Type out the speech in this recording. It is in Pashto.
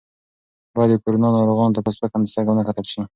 باید د کرونا ناروغانو ته په سپکه سترګه ونه کتل شي.